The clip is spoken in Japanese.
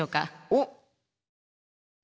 おっ！